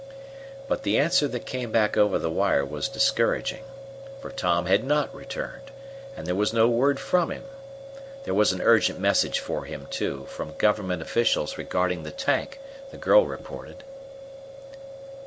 But the answer that came back over the wire was discouraging. For Tom had not returned, and there was no word from him. There was an urgent message for him, too, from government officials regarding the tank, the girl reported.